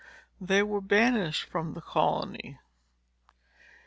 They were banished from the colony.